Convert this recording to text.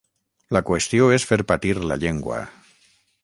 La qüestió és fer patir la llengua.